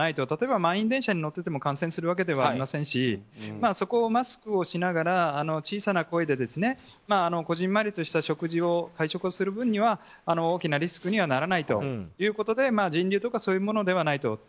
例えば満員電車に乗ってても感染するわけではありませんしそこをマスクをしながら小さな声でこじんまりとした会食をする分には大きなリスクにはならないということで人流とかそういうものではないと。